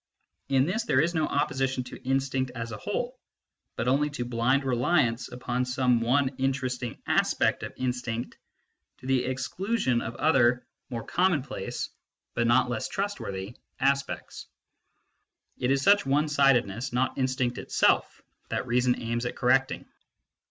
In this there is no opposition to instinct as a whole, but only to blind reliance upon some one interest ing aspect of instinct to the exclusion of other more I 4 MYSTICISM AND LOGIC commonplace but not less trustworthy aspects. It is such one sidedness, not instinct itself, that reason aims at correcting.